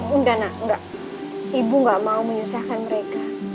enggak nak enggak ibu gak mau menyusahkan mereka